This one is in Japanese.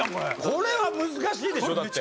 これは難しいでしょだって。